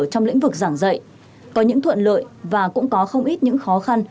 trong lĩnh vực giảng dạy có những thuận lợi và cũng có không ít những khó khăn